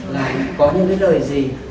là có những cái lời gì